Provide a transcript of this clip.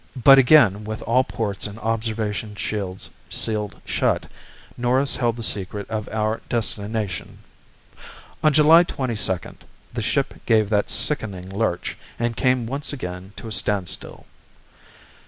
But again, with all ports and observation shields sealed shut, Norris held the secret of our destination. On July twenty second, the ship gave that sickening lurch and came once again to a standstill.